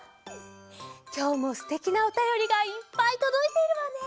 きょうもすてきなおたよりがいっぱいとどいているわね。